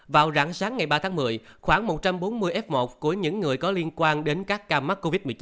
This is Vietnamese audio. vào rạng sáng ngày ba tháng một mươi khoảng một trăm bốn mươi f một của những người có liên quan đến các ca mắc covid một mươi chín